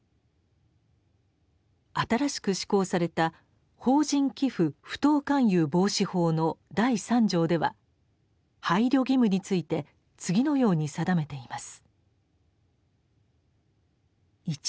新しく施行された「法人寄附不当勧誘防止法」の第三条では配慮義務について次のように定めています。